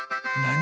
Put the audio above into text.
何？